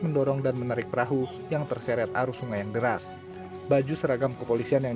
mendorong dan menarik perahu yang terseret arus sungai yang deras baju seragam kepolisian yang